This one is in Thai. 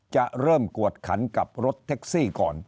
จะเริ่มกวดขันกับรถแท็กซี่ก่อน